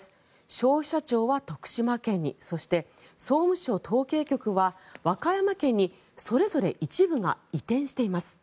消費者庁は徳島県にそして、総務省統計局は和歌山県にそれぞれ一部が移転しています。